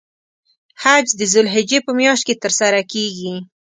حج د ذوالحجې په میاشت کې تر سره کیږی.